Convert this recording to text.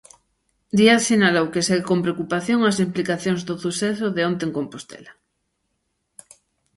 Díaz sinalou que segue con "preocupación" as implicacións do suceso de onte en Compostela.